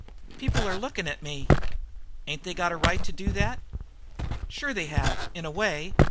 "People been looking at me." "Ain't they got a right to do that?" "Sure they have, in a way.